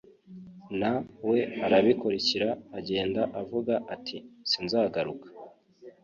na we arabikurikira agenda avuga ati:sinzagaruka